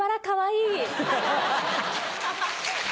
かわいい。